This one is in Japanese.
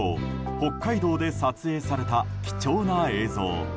北海道で撮影された貴重な映像。